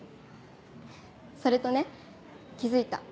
それとね気付いた。